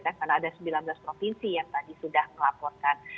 karena ada sembilan belas provinsi yang tadi sudah melaporkan